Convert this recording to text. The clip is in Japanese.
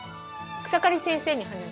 草刈先生に話す？